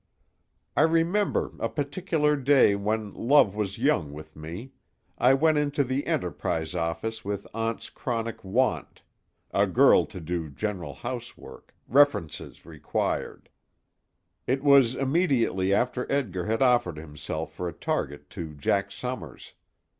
I remember a particular day when love was young with me, I went into the Enterprise office with Aunt's chronic "want," "A girl to do general housework references required." It was immediately after Edgar had offered himself for a target to Jack Summers.